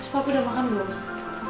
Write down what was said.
pak sudah makan belum